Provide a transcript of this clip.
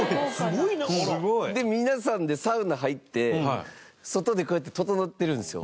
すごい！で皆さんでサウナ入って外でこうやってととのってるんですよ。